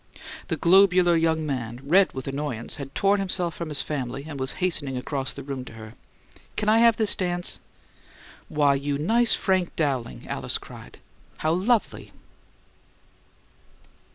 The globular young man, red with annoyance, had torn himself from his family and was hastening across the room to her. "C'n I have this dance?" "Why, you nice Frank Dowling!" Alice cried. "How lovely!"